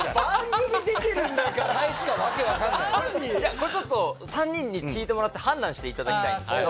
これ３人に聞いてもらって判断していただきたいんですけど。